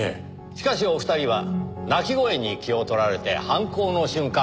しかしお二人は泣き声に気を取られて犯行の瞬間